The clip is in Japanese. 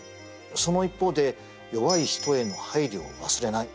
その一方で弱い人への配慮を忘れない。